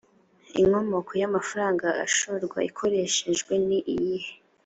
inkomoko y’amafaranga ashorwa ikoreshejwe ni iyihe‽